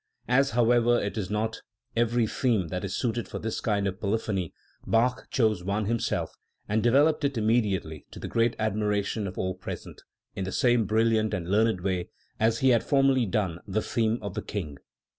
As, however, it is not every theme that is suited for this kind of polyphony, Bach chose one himself, and developed it immediately, to the great admiration of all present, in the same brilliant and learned way as he had formerly done the theme of the King.